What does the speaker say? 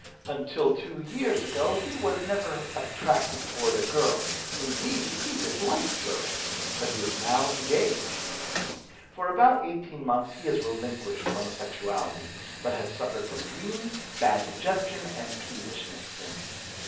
Until two years ago he was never attracted toward a girl; indeed, he disliked girls; but he is now engaged. For about eighteen months, he has relinquished homosexuality, but has suffered from dreams, bad digestion, and peevishness since.